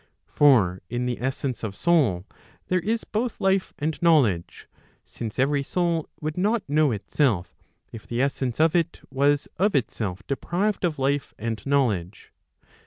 For in the essence of soul there is both life and knowledge;' since every soul would not know itself, if the essence of it was of itself deprived of life and knowledge.